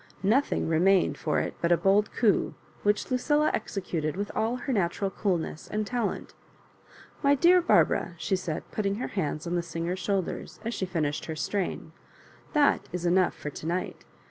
Nothing remained for it but a bold coup, which Lucilla executed with all her natural coolness and talent "My dear Barbara," she said, putting her hands on the singer's shoulders as she finished her strain, " that is enough for to night.